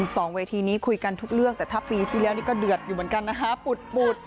สองเวทีนี้คุยกันทุกเรื่องแต่ถ้าปีที่แล้วนี่ก็เดือดอยู่เหมือนกันนะคะปุดปุด